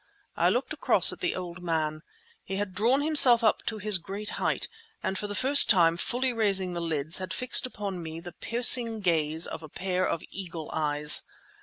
I looked across at the old man. He had drawn himself up to his great height, and for the first time fully raising the lids, had fixed upon me the piercing gaze of a pair of eagle eyes.